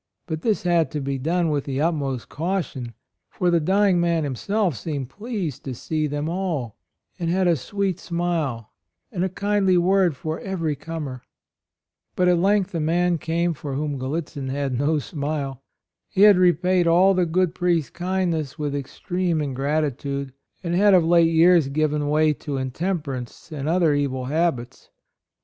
But this had to be done with the utmost caution; for the dying man himself seemed pleased to see them all, and had a sweet smile and a kindly word for every comer. But at length a man came 122 A ROYAL SON for whom Gallitzin had no smile. He had repaid all the good priest's kindness with extreme ingratitude, and had of late years given way to intemper ance and other evil habits.